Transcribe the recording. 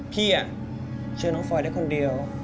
พี่เชื่อน้องฟอยได้คนเดียว